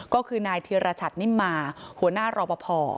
ก็คือนายธิรชัตนิมมาหัวหน้ารอปภ